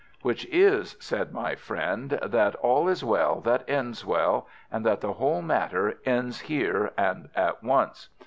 "Which is," said my friend, "that all is well that ends well, and that the whole matter ends here and at once.